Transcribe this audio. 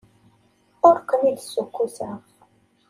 Ur ken-id-ssukkuseɣ.